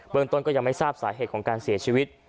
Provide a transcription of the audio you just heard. เมืองต้นก็ยังไม่ทราบสาเหตุของการเสียชีวิต